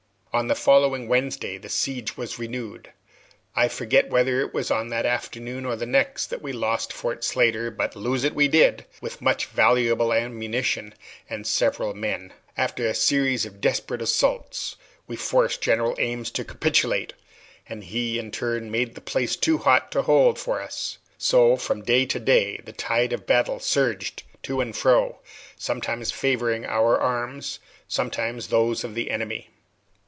On the following Wednesday the siege was renewed. I forget whether it was on that afternoon or the next that we lost Fort Slatter; but lose it we did, with much valuable ammunition and several men. After a series of desperate assaults, we forced General Ames to capitulate; and he, in turn, made the place too hot to hold us. So from day to day the tide of battle surged to and fro, sometimes favoring our arms, and sometimes those of the enemy.